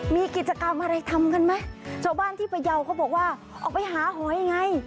มีกิจกรรมอะไรทำกันไหมชาวบ้านที่พยาวเขาบอกว่าออกไปหาหอยไง